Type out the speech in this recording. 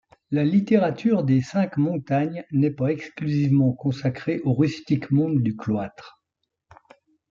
La littérature des cinq montagnes n'est pas exclusivement consacrée au rustique monde du cloître.